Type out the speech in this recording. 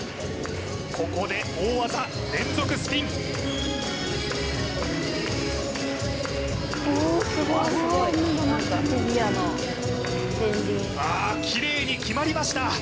ここで大技連続スピンああキレイに決まりました